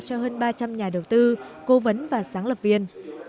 cho hơn ba trăm linh nhà đầu tư cố vấn và sáng lập viên